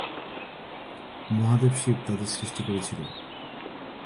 মহাদেব শিব তাদের সৃষ্টি করেছিল।